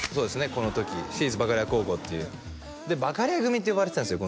この時「私立バカレア高校」っていうでバカレア組って呼ばれてたんですよ